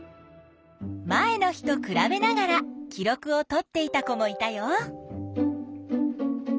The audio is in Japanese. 前の日とくらべながら記録をとっていた子もいたよ。